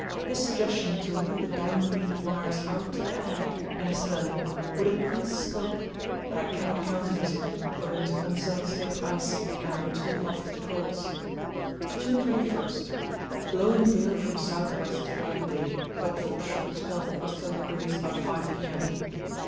His suggestion to lead the down lead wires out to the ahead and astern would increase scope, but I cannot countenance it owing to unsettled state of ice and our too lofty poles. "June 21.—Blowing gale from south west throughout day, but for short spell of westerly breeze about 5 p.m.